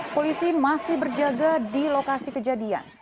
polisi masih berjaga di lokasi kejadian